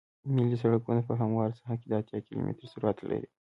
ملي سرکونه په همواره ساحه کې د اتیا کیلومتره سرعت لري